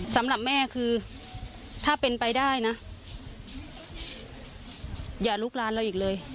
สำหรับแม่คือถ้าเป็นไปได้นะอย่าลุกลานเราอีกเลย